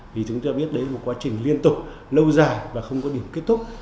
vì chúng ta biết đấy là một quá trình liên tục lâu dài và không có điểm kết thúc